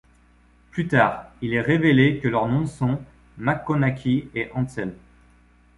Plus tard, il est révélé que leurs noms sont MacConnachie et Ansell.